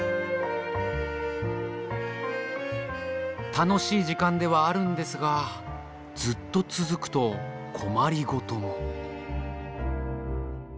楽しい時間ではあるんですがずっと続くと困り事も。